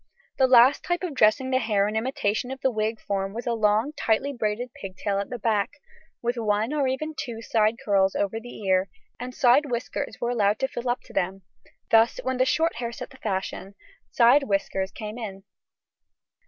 The last type of dressing the hair in imitation of the wig form was a long, tightly braided pigtail at the back, with one or even two side curls over the ear, and side whiskers were allowed to fill up to them; thus when the short hair set the fashion, side whiskers came in.